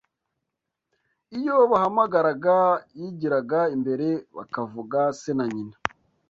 Iyo bahamagaraga yigiraga imbere bakavuga se na nyina